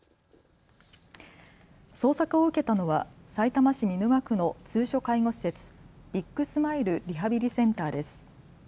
捜索を受けたのはさいたま市見沼区の通所介護施設ビッグスマイルリハビリセンターです。